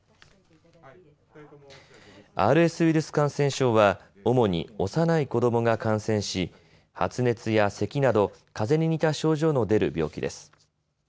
ＲＳウイルス感染症は主に幼い子どもが感染し発熱やせきなど、かぜに似た症状の出る病気です。